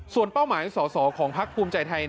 ส่วนเป้าหมายสอสอของพักภูมิใจไทย